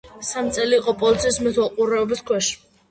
სამ წელი იყო პოლიციის მეთვალყურეობის ქვეშ.